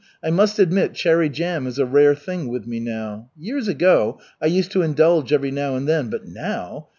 I must admit cherry jam is a rare thing with me now. Years ago I used to indulge every now and then, but now